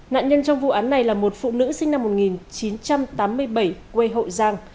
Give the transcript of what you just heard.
nạn nhân trong vụ án này là một phụ nữ sinh năm một nghìn chín trăm tám mươi bảy quê hậu giang